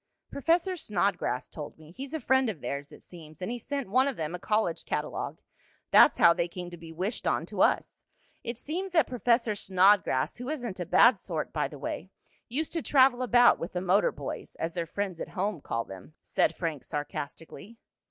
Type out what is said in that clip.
"Professor Snodgrass told me. He's a friend of theirs, it seems, and he sent one of them a college catalogue. That's how they came to be wished on to us. It seems that Professor Snodgrass, who isn't a bad sort by the way, used to travel about with the Motor Boys, as their friends at home call them," said Frank, sarcastically.